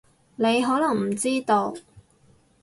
你可能唔知道